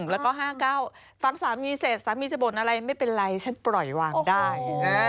แล้วก็๕๙ฟังสามีเสร็จสามีจะบ่นอะไรไม่เป็นไรฉันปล่อยวางได้